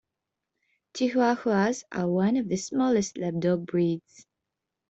Chihuahuas are one of the smallest lap dog breeds.